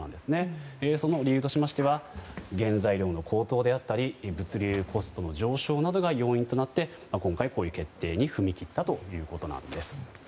その理由としては原材料の高騰だったり物流コストの上昇などが要因となって今回、こういう決定に踏み切ったということです。